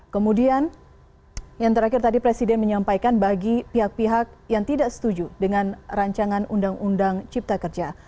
kemudian yang terakhir tadi presiden menyampaikan bagi pihak pihak yang tidak setuju dengan rancangan undang undang cipta kerja